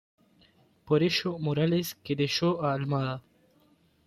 Por ello Morales querelló a Almada.